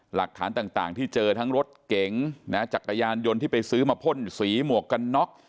หลักฐานต่างที่เจอทั้งรถเก๋งจักรยานยนต์ที่ไปซื้อมาพ่นสีหมวกกันน็อก